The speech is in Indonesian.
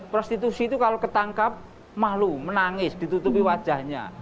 prostitusi itu kalau ketangkap malu menangis ditutupi wajahnya